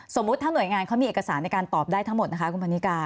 สมมุติถ้าหน่วยงานเขามีเอกสารในการตอบได้ทั้งหมดนะคะคุณพันนิกา